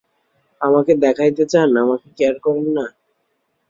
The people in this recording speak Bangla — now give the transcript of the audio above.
আমাকে দেখাইতে চান, আমাকে কেয়ার করেন না?